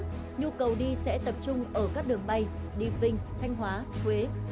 nhóm nhu cầu du lịch sẽ tập trung ở các đường bay đi vinh thanh hóa thuế